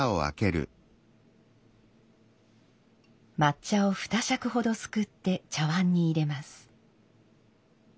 抹茶を２杓ほどすくって茶碗に入れます。